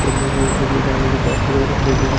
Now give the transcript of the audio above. তাঁহারা তাঁহার সেবা পরম অবহেলার সহিত গ্রহণ করিলেন।